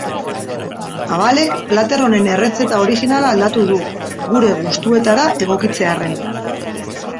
Abalek plater honen errezeta originala aldatu du, gure gustuetara egokitzearren.